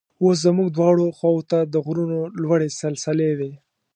اوس زموږ دواړو خواو ته د غرونو لوړې سلسلې وې.